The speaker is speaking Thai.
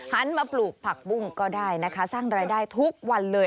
หันมาปลูกผักบุ้งก็ได้นะคะสร้างรายได้ทุกวันเลย